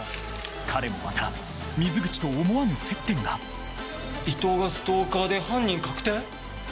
彼もまた水口と思わぬ接点が伊藤がストーカーで犯人確定？